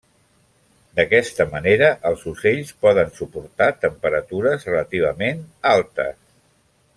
D'aquesta manera els ocells poden suportar temperatures relativament altes.